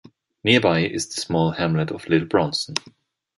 Nearby is the small hamlet of Little Braunston.